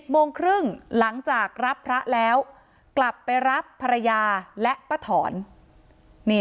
โมงครึ่งหลังจากรับพระแล้วกลับไปรับภรรยาและป้าถอน